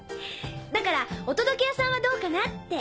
だからお届け屋さんはどうかなって。